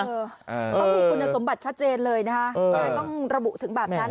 ต้องมีคุณสมบัติชัดเจนเลยนะคะต้องระบุถึงแบบนั้น